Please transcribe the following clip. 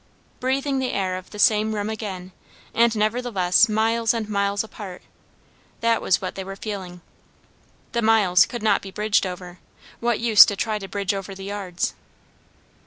Breathing the air of the same room again, and nevertheless miles and miles apart; that was what they were feeling. The miles could not be bridged over; what use to try to bridge over the yards?